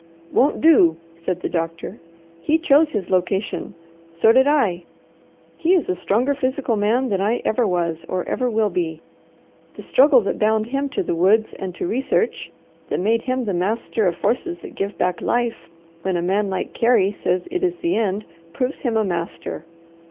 "Won't do!" said the doctor. "He chose his location. So did I. He is a stronger physical man than I ever was or ever will be. The struggle that bound him to the woods and to research, that made him the master of forces that give back life, when a man like Carey says it is the end, proves him a master.